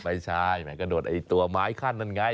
ไม่ใช่ก็โดนไอตัวไม้คลั่นนั่นไง